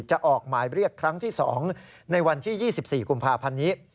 จะออกหมายเรียกครั้งที่๒ในวันที่๒๔กุมภาพันธ์นี้